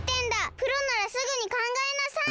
プロならすぐにかんがえなさい！